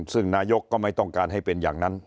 ซึ่งนายกก็ไม่ต้องการให้เป็นอย่างนั้น